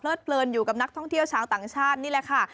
เพลินอยู่กับนักท่องเที่ยวชาวต่างชาตินี่แหละค่ะ